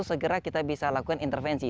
segera kita bisa lakukan intervensi